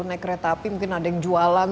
naik kereta api mungkin ada yang jualan